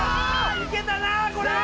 いけたなこれは！